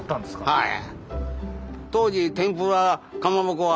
はい。